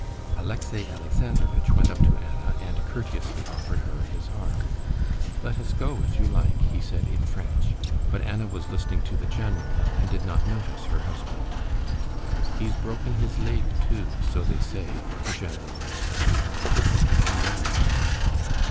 Alexey Alexandrovitch went up to Anna and courteously offered her his arm. "Let us go, if you like," he said in French, but Anna was listening to the general and did not notice her husband. "He's broken his leg too, so they say," the general was saying. "This is beyond everything."